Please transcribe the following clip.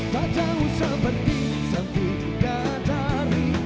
tak jauh sabar di samping gadari